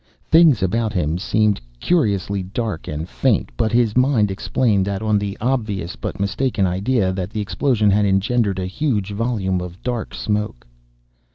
Things about him seemed curiously dark and faint, but his mind explained that on the obvious but mistaken idea that the explosion had engendered a huge volume of dark smoke.